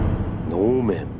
能面